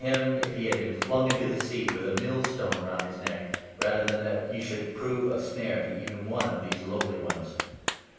him if he had been flung into the sea with a mill stone round his neck, rather than that he should prove a snare to even one of these lowly ones.